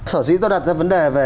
sở dĩ tôi đặt ra vấn đề về